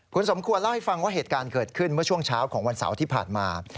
คุณสมควรเล่าให้ฟังว่าเหตุการณ์เกิดขึ้นเมื่อช่วงเช้าของวันเสาร์ที่ผ่านมา